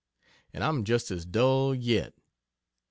And I'm just as dull yet.